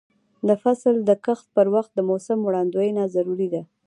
د فصل د کښت پر وخت د موسم وړاندوینه ضروري ده.